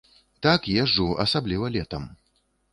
Так, езджу, асабліва летам.